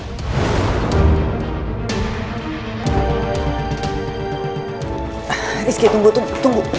risky tunggu tunggu